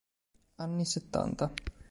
Anni Settanta.